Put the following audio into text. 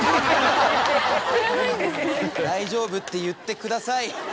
大丈夫って言ってください！